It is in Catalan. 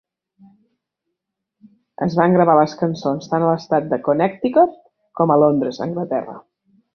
Es van gravar les cançons tant a l'estat de Connecticut com a Londres, Anglaterra.